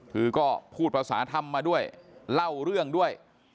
คือก็พูดภาษาธรรมมาด้วยเล่าเรื่องด้วย